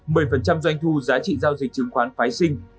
một mươi doanh thu giá trị giao dịch chứng khoán phái sinh